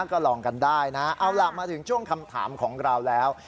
ก็ลองกันได้นะเอาล่ะมาถึงช่วงคำถามของเราแล้ว